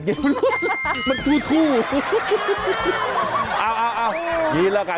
นางแมวยั่วประสาท